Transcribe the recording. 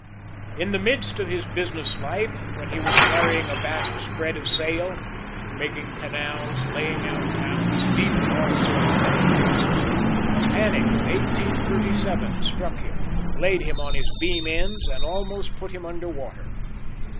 In the midst of his business life, when he was carrying a vast spread of sail (making canals, laying out towns, deep in all sorts of enterprises), the panic of 1837 struck him, laid him on his beam ends, and almost put him under water.